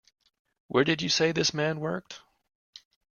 Where did you say this man worked?